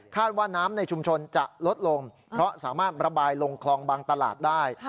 ว่าน้ำในชุมชนจะลดลงเพราะสามารถระบายลงคลองบางตลาดได้